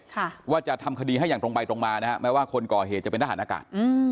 ค่ะว่าจะทำคดีให้อย่างตรงไปตรงมานะฮะแม้ว่าคนก่อเหตุจะเป็นทหารอากาศอืม